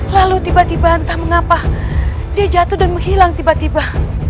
lalu tiba tiba entah mengapa dia jatuh dan menghilang tiba tiba